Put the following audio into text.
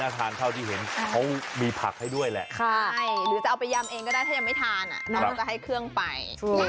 โทรสั่งไปโทรสั่งไป